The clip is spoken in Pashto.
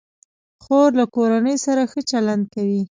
خور له کورنۍ سره ښه چلند کوي.